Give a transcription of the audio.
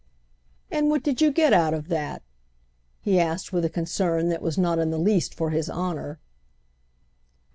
"And what did you get out of that?" he asked with a concern that was not in the least for his honour.